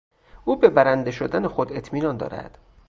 او به برنده شدن خود اطمینان دارد.